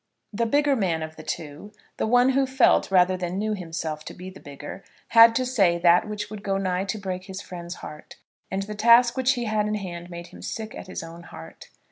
The bigger man of the two, the one who felt rather than knew himself to be the bigger, had to say that which would go nigh to break his friend's heart, and the task which he had in hand made him sick at his own heart.